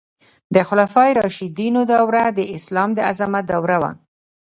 د خلفای راشدینو دوره د اسلام د عظمت دوره وه.